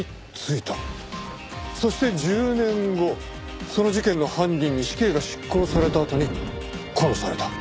そして１０年後その事件の犯人に死刑が執行されたあとに殺された。